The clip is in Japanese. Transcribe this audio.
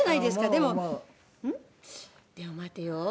でも待てよ。